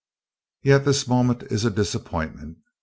"Yet this moment is a disappointment.